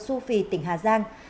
su phi tỉnh hà giang